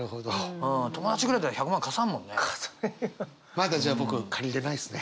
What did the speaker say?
まだじゃあ僕借りれないですね。